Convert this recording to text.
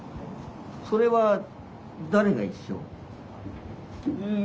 それは誰が一緒？